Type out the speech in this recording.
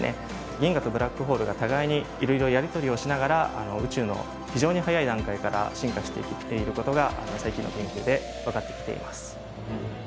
銀河とブラックホールが互いにいろいろやり取りをしながら宇宙の非常に早い段階から進化してきていることが最近の研究で分かってきています。